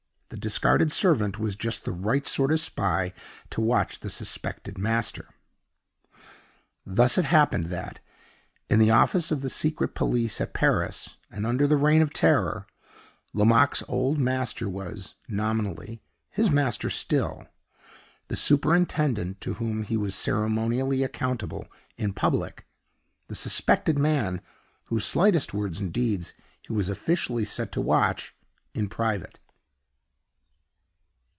The discarded servant was just the right sort of spy to watch the suspected master. Thus it happened that, in the office of the Secret Police at Paris, and under the Reign of Terror, Lomaque's old master was, nominally, his master still the superintendent to whom he was ceremonially accountable, in public the suspected man, whose slightest words and deeds he was officially set to watch, in private.